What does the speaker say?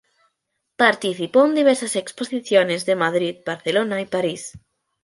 Participó en diversas exposiciones de Madrid, Barcelona y París.